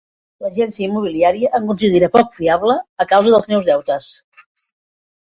L'agència immobiliària em considera poc fiable a causa dels meus deutes.